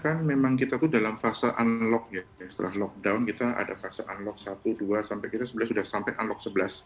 kan memang kita tuh dalam fase unlock ya setelah lockdown kita ada fase unlock satu dua sampai kita sebenarnya sudah sampai unlock sebelas